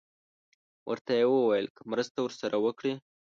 ورته یې وویل که مرسته ورسره وکړي.